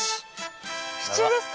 支柱ですか？